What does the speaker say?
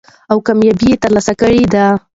او کاميابي تر لاسه کړې ده.